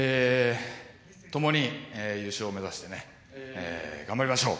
共に優勝目指して、頑張りましょう。